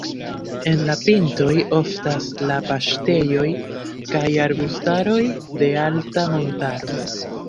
En la pintoj oftas la paŝtejoj kaj arbustaroj de alta montaro.